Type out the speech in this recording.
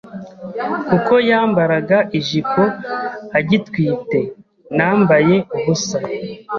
kuko yambaraga ijipo agitwite. Nambaye ubusa,